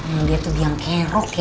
aduh dia tuh diam kerok ya